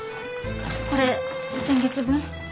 これ先月分。